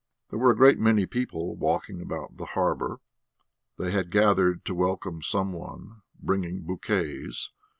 There were a great many people walking about the harbour; they had gathered to welcome some one, bringing bouquets.